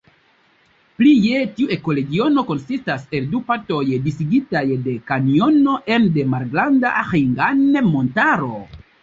Plie tiu ekoregiono konsistas el du partoj disigitaj de kanjono ene de Malgranda Ĥingan-Montaro.